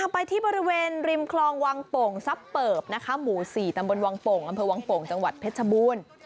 ไปที่บริเวณริมคลองวังโป่งซับเปิบนะคะหมู่๔ตำบลวังโป่งอำเภอวังโป่งจังหวัดเพชรบูรณ์